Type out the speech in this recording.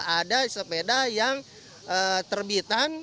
ada sepeda yang terbitan